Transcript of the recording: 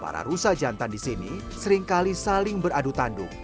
para rusa jantan di sini seringkali saling beradu tanduk